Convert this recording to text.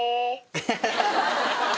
アハハハ。